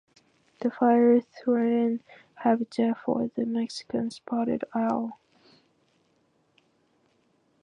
The fire threatened habitat for the Mexican spotted owl.